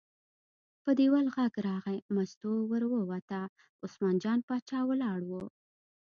په دیوال غږ راغی، مستو ور ووته، عثمان جان باچا ولاړ و.